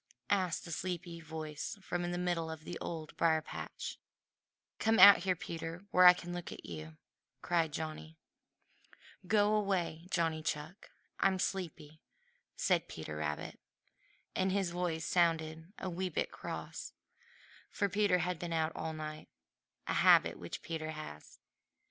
asked a sleepy voice from the middle of the Old Briar patch. Johnny Chuck's face lighted up. "Come out here, Peter, where I can look at you," cried Johnny. "Go away, Johnny Chuck! I'm sleepy," said Peter Rabbit, and his voice sounded just a wee bit cross, for Peter had been out all night, a habit which Peter has.